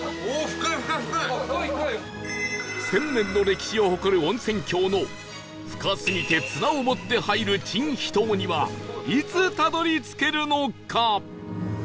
１０００年の歴史を誇る温泉郷の深すぎて綱を持って入る珍秘湯にはいつたどり着けるのか？